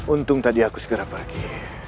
untung tadi aku segera pergi